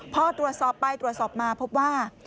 พอตรวจสอบไปตรวจสอบมาพบว่า